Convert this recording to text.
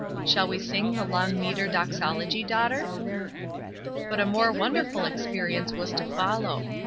Shall we sing the long metre doxology, daughter?" But a more wonderful experience was to fol low.